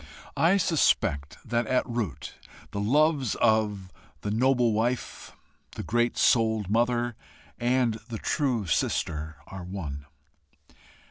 I suspect that at root the loves of the noble wife, the great souled mother, and the true sister, are one.